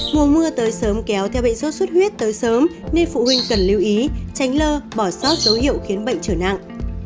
mùa mưa tới sớm kéo theo bệnh sốt xuất huyết tới sớm nên phụ huynh cần lưu ý tránh lơ bỏ sót dấu hiệu khiến bệnh trở nặng